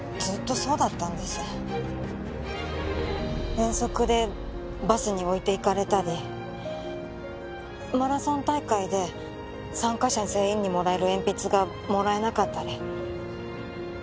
遠足でバスに置いて行かれたりマラソン大会で参加者全員にもらえる鉛筆がもらえなかったり。